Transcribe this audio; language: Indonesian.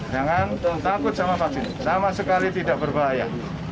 jangan takut sama vaksin sama sekali tidak berbahaya